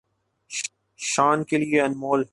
شان کے لئے انمول